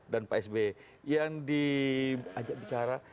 dan pak asb yang di ajak bicara